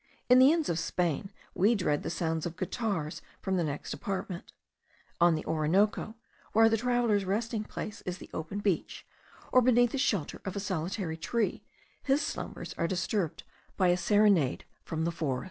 In the inns of Spain we dread the sound of guitars from the next apartment; on the Orinoco, where the traveller's resting place is the open beach, or beneath the shelter of a solitary tree, his slumbers are disturbed by a serenade from the forest.